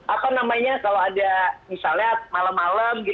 apa namanya kalau ada misalnya malam malam